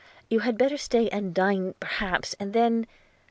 . you had better stay and dine perhaps, and then